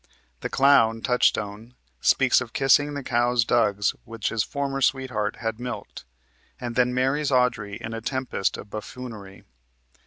The clown, Touchstone, speaks of kissing the cow's dugs which his former sweetheart had milked, and then marries Audrey in a tempest of buffoonery.